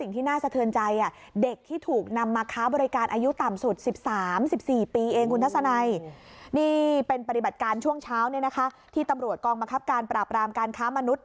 แต่การช่วงเช้านี่นะคะที่ตำรวจกรรมกรับการปราบรามการค้ามนุษย์